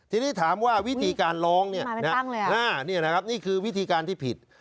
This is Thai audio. ทีนี้ถามว่าวิธีการร้องเนี่ยนะครับนี่คือวิธีการที่ผิด